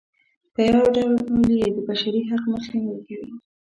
په یوه ډول یې د بشري حق مخنیوی کوي.